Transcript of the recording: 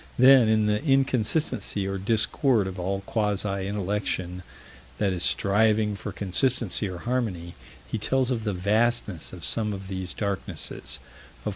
Then, in the inconsistency or discord of all quasi intellection that is striving for consistency or harmony, he tells of the vastness of some of these darknesses.